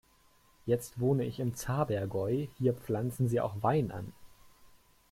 Jetzt wohne ich im Zabergäu, hier pflanzen sie auch Wein an.